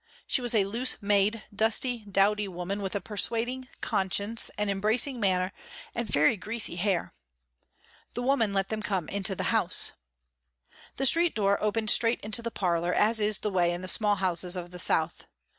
She was a loose made, dusty, dowdy woman with a persuading, conscious and embracing manner and very greasy hair. The woman let them come into the house. The street door opened straight into the parlor, as is the way in the small houses of the south.